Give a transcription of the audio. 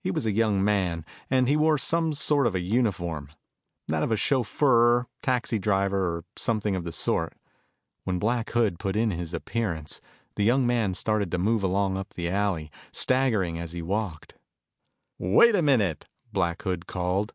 He was a young man, and he wore some sort of a uniform that of a chauffeur, taxi driver, or something of the sort. When Black Hood put in his appearance, the young man started to move along up the alley, staggering as he walked. "Wait a minute," Black Hood called.